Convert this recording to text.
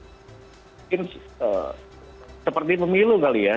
mungkin seperti pemilu kali ya